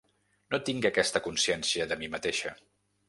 No tinc aquesta consciència de mi mateixa.